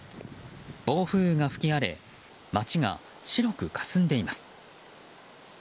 暴風雨が吹き荒れ街が白くかすんでいます。